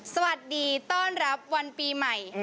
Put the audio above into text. สวัสดีต้อนรับวันปีใหม่